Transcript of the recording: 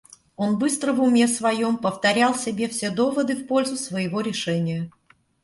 Он быстро в уме своем повторял себе все доводы в пользу своего решения.